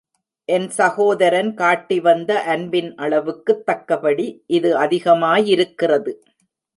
என் சகோதரன் காட்டி வந்த அன்பின் அளவுக்குத் தக்கபடி இது அதிகமா யிருக்கிறது.